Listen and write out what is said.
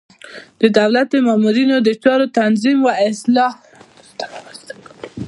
د دولت د مامورینو د چارو تنظیم او اصلاح.